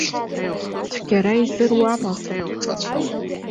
Цәгьара изыруамызт.